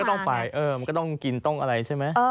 มันก็ต้องกินต้นอะไรใช่ไหม